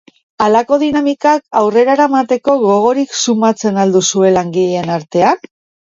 Halako dinamikak aurrera eramateko gogorik sumatzen al duzue langileen artean?